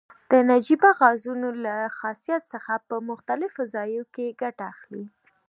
د نجیبه غازونو له خاصیت څخه په مختلفو ځایو کې ګټه اخلي.